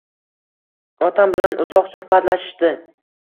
Otam bilan uzoq suhbatlashishdi.